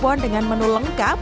kira kira dengan menu lengkap